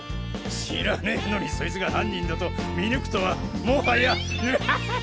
知らねのにそいつが犯人だと見抜くとはもはやハッハハハハ！